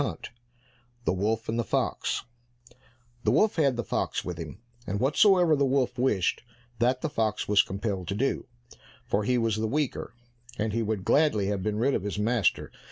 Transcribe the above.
73 The Wolf and the Fox The wolf had the fox with him, and whatsoever the wolf wished, that the fox was compelled to do, for he was the weaker, and he would gladly have been rid of his master.